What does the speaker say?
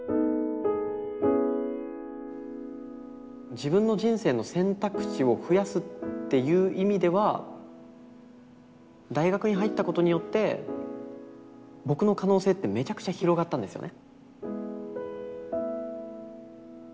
自分の人生の選択肢を増やすっていう意味では大学に入ったことによって僕の可能性ってめちゃくちゃ広がったんですよね。